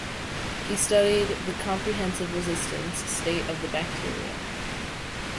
He studied the comprehensive resistant state of the bacteria.